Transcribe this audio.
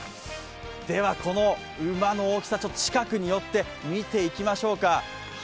この馬の大きさ、近くに寄って見ていきましょうか。